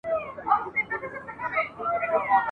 فرعون او هامان ..